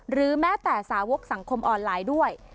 หรือแม้แต่สาวกสังคมออนไลน์ด้วย